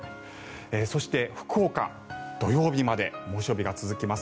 そして、福岡土曜日まで猛暑日が続きます。